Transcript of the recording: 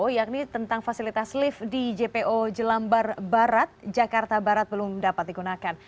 yakni tentang fasilitas lift di jpo jelambar barat jakarta barat belum dapat digunakan